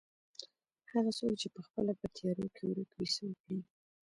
هغه څوک چې پخپله په تيارو کې ورکه وي څه وکړي.